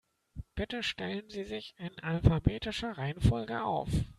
Bitte stellen Sie sich in alphabetischer Reihenfolge auf.